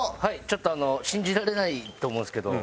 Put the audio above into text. ちょっとあの信じられないと思うんですけど。